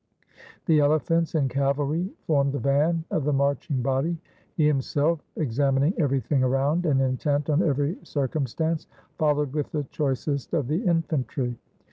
The elephants and cavalry formed the van of the marching body; he himself, exam ining everything around, and intent on every circum stance, followed with the choicest of the infantry.